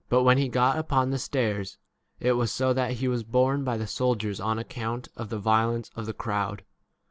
But when he got upon the stairs it was so that he was borne by the soldiers on account of the violence 36 of the crowd.